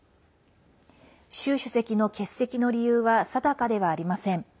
習主席の欠席の理由は定かではありません。